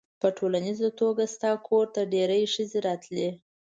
په ټولیزه توګه ستا کور ته ډېرې ښځې راتلې.